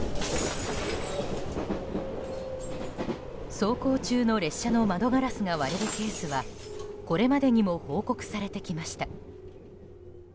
走行中の列車の窓ガラスが割れるケースはこれまでにも報告されてきました。